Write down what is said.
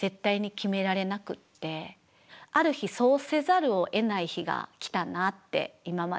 ある日そうせざるをえない日が来たなって今まで。